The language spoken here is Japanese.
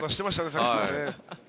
さっきもね。